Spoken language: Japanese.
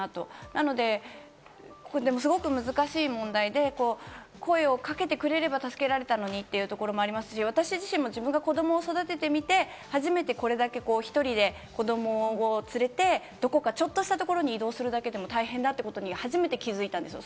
なので、すごく難しい問題で声をかけてくれれば助けたのにみたいなところもありますし、私自身も子供を育ててみて、初めて１人で子供を連れて、どこかちょっとした所に移動するだけでも大変だってことに、初めて気づいたんです。